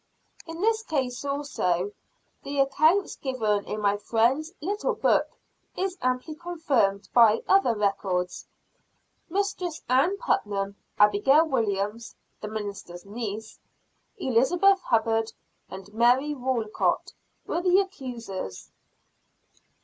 In this case also, the account given in my friend's little book is amply confirmed by other records. Mistress Ann Putnam, Abigail Williams (the minister's niece), Elizabeth Hubbard and Mary Walcott, were the accusers.